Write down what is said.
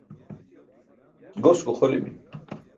Gos guxolimi.